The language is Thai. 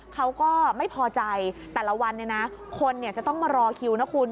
เขาก็ไม่พอใจแต่ละวันเนี่ยนะคนจะต้องมารอคิวนะคุณ